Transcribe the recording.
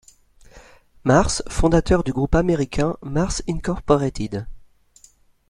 Mars, fondateur du groupe américain Mars Incorporated.